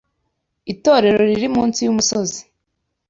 Itorero riri munsi yumusozi.